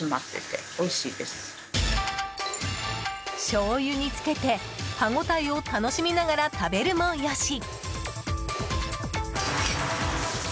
しょうゆにつけて、歯ごたえを楽しみながら食べるも良し。